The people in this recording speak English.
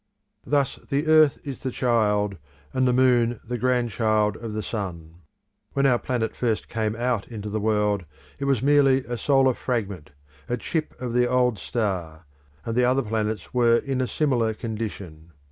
Thus the earth is the child, and the moon the grandchild of the sun. When our planet first came out into the world it was merely a solar fragment, a chip of the old star, and the other planets were in a similar condition.